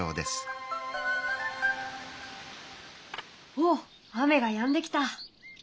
おっ雨がやんできた。